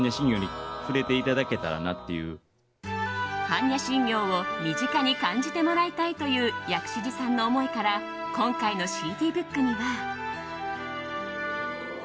般若心経を身近に感じてもらいたいという薬師寺さんの思いから今回のＣＤブックには。